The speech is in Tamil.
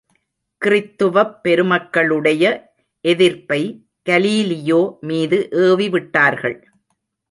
கிறித்துவப் பெருமக்களுடைய எதிர்ப்பை கலீலியோ மீது ஏவிவிட்டார்கள்.